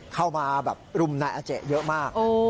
เข้ามาแบบรุมนายอาเจเยอะมาก